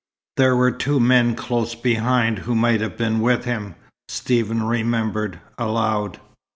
"There were two men close behind who might have been with him," Stephen remembered aloud.